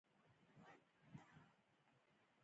یوه اقتصادي او ټولنیزه خزانه.